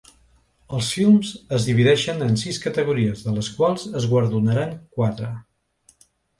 Els films es divideixen en sis categories, de les quals es guardonaran quatre.